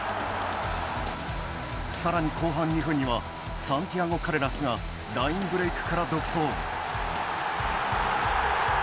さらに、後半２分にはサンティアゴ・カレラスがラインブレークから独走。